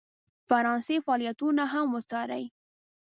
فرانسې فعالیتونه هم وڅاري.